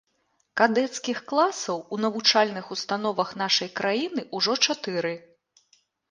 Кадэцкіх класаў у навучальных установах нашай краіны ўжо чатыры.